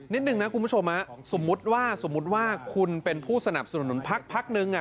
นิดหนึ่งนะคุณผู้ชมสมมติว่าคุณเป็นผู้สนับสนุนพักนึง